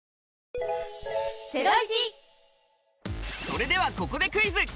それではここでクイズ！